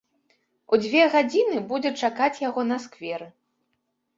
У дзве гадзіны будзе чакаць яго на скверы.